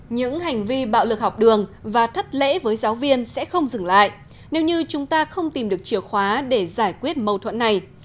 những hành vi bạo lực học đường và thất lễ với giáo viên sẽ không dừng lại nếu như chúng ta không tìm được chìa khóa để giải quyết mâu thuẫn này